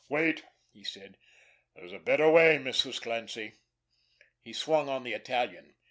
"Wait!" he said. "There's a better way, Mrs. Clancy." He swung on the Italian.